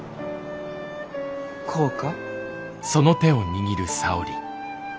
こうか？